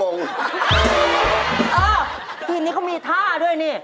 เออทีนี้ก็มีท่าด้วยนี่